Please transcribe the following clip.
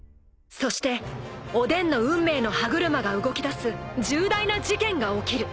［そしておでんの運命の歯車が動きだす重大な事件が起きる］